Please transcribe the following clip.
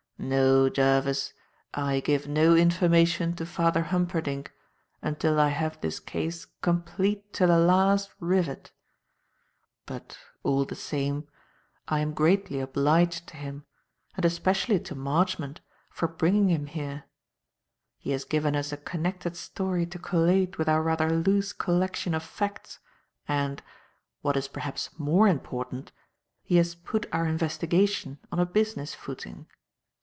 No, Jervis, I give no information to Father Humperdinck until I have this case complete to the last rivet. But, all the same, I am greatly obliged to him, and especially to Marchmont for bringing him here. He has given us a connected story to collate with our rather loose collection of facts and, what is perhaps more important, he has put our investigation on a business footing.